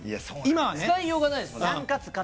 使いようがないです。